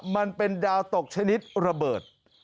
มันเป็นดาวตกชนิดระเบิด